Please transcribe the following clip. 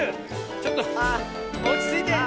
ちょっとおちついて。